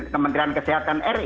kementerian kesehatan ri